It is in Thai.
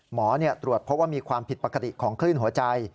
หมอตรวจเพราะว่ามีความผิดปกติของคลื่นหัวใจ